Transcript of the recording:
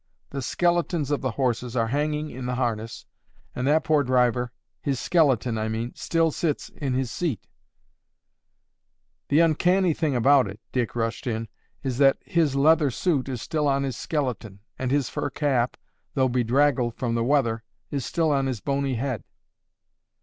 The skeletons of the horses are hanging in the harness and that poor driver—his skeleton, I mean, still sits in his seat—" "The uncanny thing about it," Dick rushed in, "is that his leather suit is still on his skeleton, and his fur cap, though bedraggled from the weather, is still on his bony head."